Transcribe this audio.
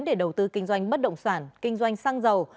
để đầu tư kinh doanh bất động sản kinh doanh xăng dầu